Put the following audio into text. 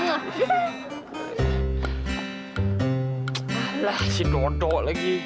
alah si dodo lagi